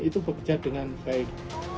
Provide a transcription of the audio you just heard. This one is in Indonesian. itu bekerja dengan baik